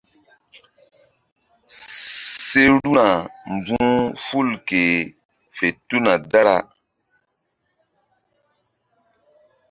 Seru̧na mbu̧h ful ke fe tuna dara.